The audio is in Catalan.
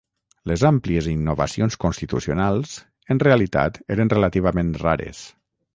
Les àmplies innovacions constitucionals en realitat eren relativament rares.